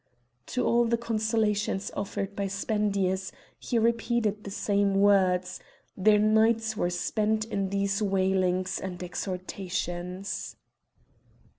To all the consolations offered by Spendius, he repeated the same words; their nights were spent in these wailings and exhortations.